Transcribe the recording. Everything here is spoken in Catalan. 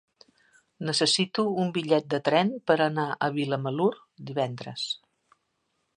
Necessito un bitllet de tren per anar a Vilamalur divendres.